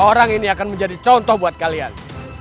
orang ini akan menjadi contoh buat kalian